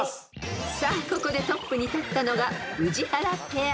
［さあここでトップに立ったのが宇治原ペア］